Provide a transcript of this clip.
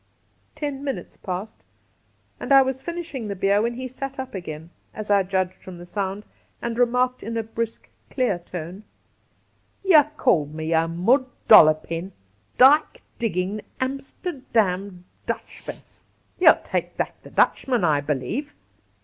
Ten minutes passed, and I was finishing the beer, when he sat up again, as I judged from the sound, and remarked in a brisk, clear tone :' Ye called me a mud doUopin', dyke diggin', Amsterdam'd Dutchman ! Ye'U take back the Dutchman, I believe